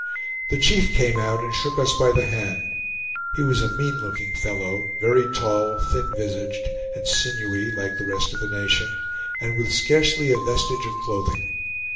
The chief came out and shook us by the hand. He was a mean looking fellow, very tall, thin visaged, and sinewy, like the rest of the nation, and with scarcely a vestige of clothing.